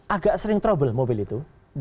agak sering trouble mobil itu